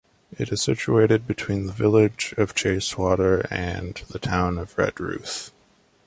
It is situated between the village of Chacewater and the town of Redruth.